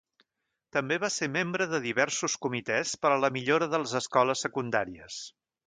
També va ser membre de diversos comitès per a la millora de les escoles secundàries.